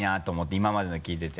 今までの聞いてて。